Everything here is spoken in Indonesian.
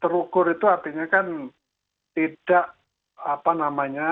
terukur itu artinya kan tidak apa namanya